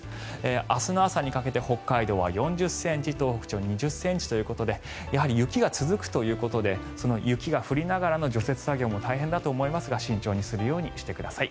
明日の朝にかけて北海道は４０ｃｍ東北地方２０ｃｍということで雪が続くということで雪が降りながらの除雪作業も大変だと思いますが慎重にするようにしてください。